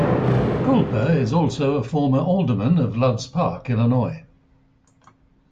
Kulpa is also a former Alderman of Loves Park, Illinois.